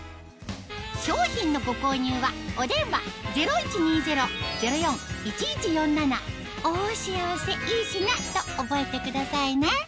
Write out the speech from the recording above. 商品のご購入はお電話０１２０−０４−１１４７と覚えてくださいね